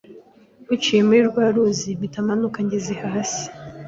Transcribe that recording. ruciye muri rwa ruzi mpita manuka ngeze hasi